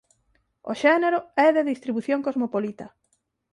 O xénero é de distribución cosmopolita.